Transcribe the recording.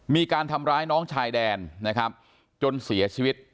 มีการทำร้ายน้องชายแดนนะครับจนเสียชีวิต